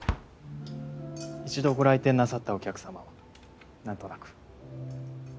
一度ご来店なさったお客様はなんとなく。